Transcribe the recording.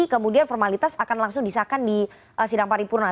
kemudian formalitas akan langsung disahkan di sidang paripurna